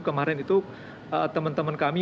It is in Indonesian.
kemarin itu teman teman kami